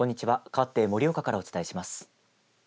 かわって盛岡からお伝えします。